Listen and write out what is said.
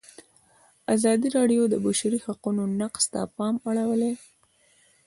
ازادي راډیو د د بشري حقونو نقض ته پام اړولی.